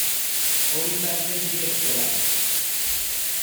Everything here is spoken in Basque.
Hori izan zen nire eskola.